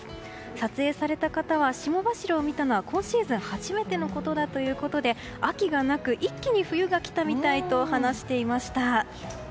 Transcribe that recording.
撮影された方は、霜柱を見たのは今シーズン初めてのことだということで秋がなく一気に冬が来たみたいと話していました。